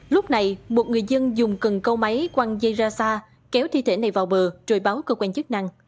lúc này một người dân dùng cần câu máy quăng dây ra xa kéo thi thể này vào bờ rồi báo cơ quan chức năng